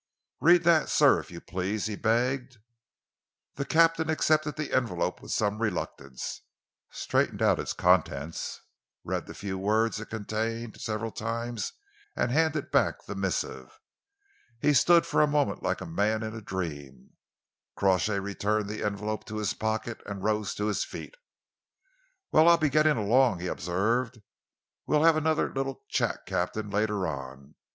"Read that, sir, if you please," he begged. The captain accepted the envelope with some reluctance, straightened out its contents, read the few words it contained several times, and handed back the missive. He stood for a moment like a man in a dream. Crawshay returned the envelope to his pocket and rose to his feet. "Well, I'll be getting along," he observed. "We'll have another little chat, Captain, later on.